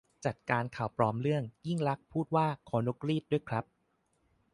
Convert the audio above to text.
จัดการข่าวปลอมเรื่อง ยิ่งลักษณ์พูดว่า คอ-นก-รีต ด้วยครับ